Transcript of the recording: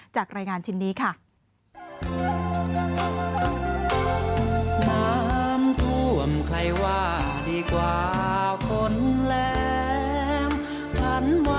จากรายงานชิ้นนี้ค่ะ